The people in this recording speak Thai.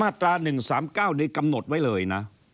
ว่าห้ามไปยุ่งเกี่ยวที่ผมบอกเมื่อกี้